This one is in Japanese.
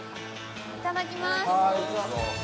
いただきます。